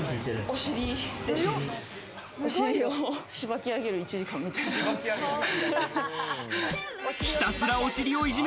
お尻を、しばきあげる１時間みたいな。